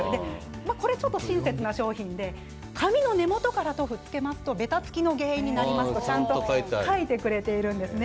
これは、ちょっと親切な商品で髪の根元から塗布しますとべたつきの原因になりますとちゃんと書いてくれているんですね。